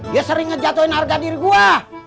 dia sering ngejatuhin harga diri gue